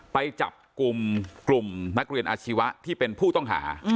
ไปจับกลุ่มกลุ่มนักเรียนอาชีวะที่เป็นผู้ต้องหา